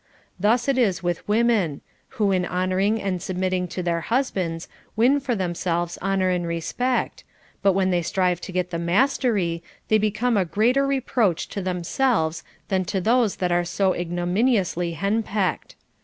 Thus it is with women, who in honoring and submitting to their husbands win for themselves honor and respect, but when they strive to get the mastery, they become a greater reproach to themselves than to those that are so ignomin iously henpecked.